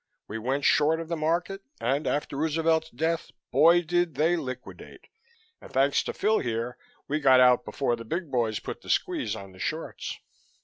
We went short of the market and after Roosevelt's death, boy! did they liquidate! And thanks to Phil here, we got out before the big boys put the squeeze on the shorts."